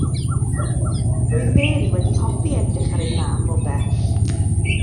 Roedd Mary wedi hoffi edrych ar ei mam o bell.